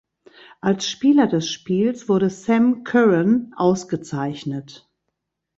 Als Spieler des Spiels wurde Sam Curran ausgezeichnet.